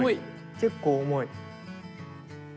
結構重い。